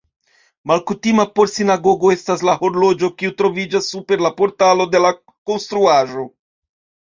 Malkutima por sinagogo estas la horloĝo, kiu troviĝas super la portalo de la konstruaĵo.